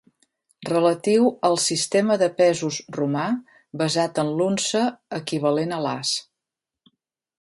Relatiu al sistema de pesos romà basat en l'unça equivalent a l'as.